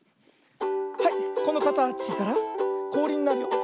はいこのかたちからこおりになるよ。